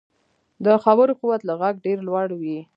د خبرو قوت له غږ ډېر لوړ وي